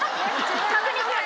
確認する。